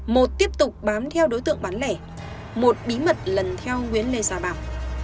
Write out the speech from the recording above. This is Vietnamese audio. một tiếp tục bám theo đối tượng bán lẻ một bí mật lần theo nguyễn lê gia bảo